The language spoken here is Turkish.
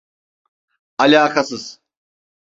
Alakasız.